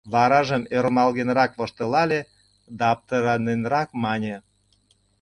Варажым ӧрмалгенрак воштылале да аптыраненрак мане: